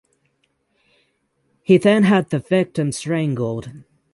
He then had the victim strangled.